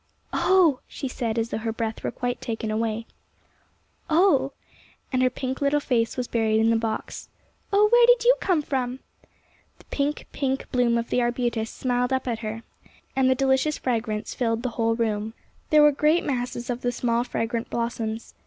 '' Oh! " she said, as though her breath were quite taken away. 47 48 THE ARBUTUS ^^ Oh! '' and her pink little face was buried in the box. ^^ Oh, where did you come from? '' The pink, pink bloom of the arbutus smiled up at her, and the delicious fragrance filled the whole room. There were great masses of the small, fra grant blossoms.